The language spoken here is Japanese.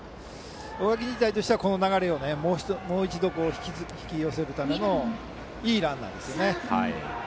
大垣日大としては流れをもう一度引き寄せるためのいいランナーですよね。